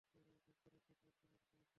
ভাবছি ফেসিয়াল করিয়ে নিয়ে আসবো!